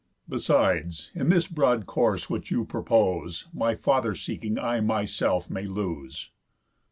Besides, in this broad course which you propose, My father seeking I myself may lose."